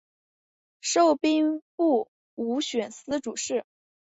授兵部武选司主事。